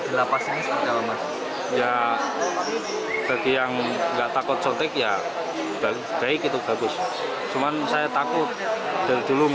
lapas ini segala macam ya bagi yang enggak takut sotik ya baik itu bagus cuman saya takut dari dulu